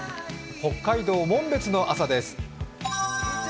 北海道・紋別の朝です。